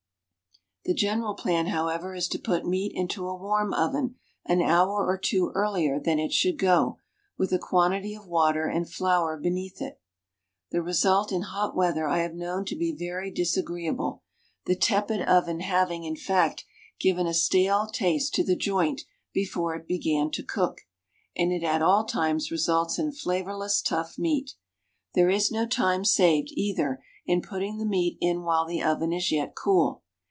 The general plan, however, is to put meat into a warm oven an hour or two earlier than it should go, with a quantity of water and flour underneath it. The result in hot weather I have known to be very disagreeable, the tepid oven having, in fact, given a stale taste to the joint before it began to cook, and it at all times results in flavorless, tough meat. There is no time saved, either, in putting the meat in while the oven is yet cool.